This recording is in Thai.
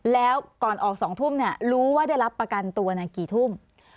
แล้วก่อนออก๒ทุ่มรู้ว่าได้รับประกันตัวกี่ทุ่ม